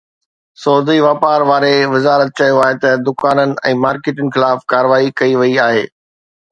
سعودي واپار واري وزارت چيو آهي ته دڪانن ۽ مارڪيٽن خلاف ڪارروائي ڪئي وئي آهي